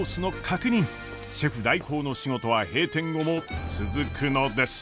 シェフ代行の仕事は閉店後も続くのです。